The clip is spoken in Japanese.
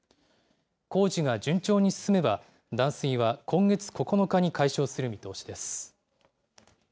工事が順調に進めば、断水は今月９日に解消する見通しです。